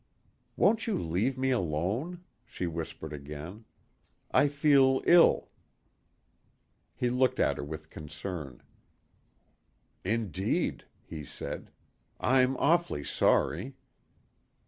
"Won't you leave me alone?" she whispered again. "I feel ill." He looked at her with concern. "Indeed," he said. "I'm awfully sorry."